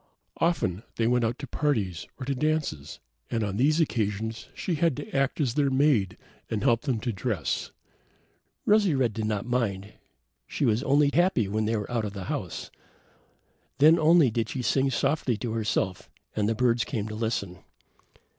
Often they went out to parties, or to dances, and on these occasions she had to act as their maid and help them to dress. Rosy red did not mind; she was only happy when they were out of the house. Then only did she sing softly to herself, and the birds came to listen.